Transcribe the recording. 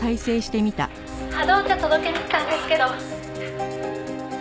「波動茶届けに来たんですけど」